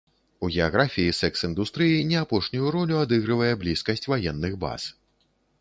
У геаграфіі секс-індустрыі не апошнюю ролю адыгрывае блізкасць ваенных баз.